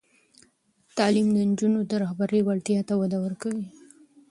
تعلیم د نجونو د رهبري وړتیاوو ته وده ورکوي.